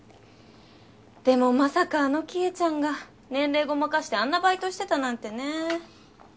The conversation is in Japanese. でもまさかあの希恵ちゃんが年齢ごまかしてあんなバイトしてたなんてねぇ。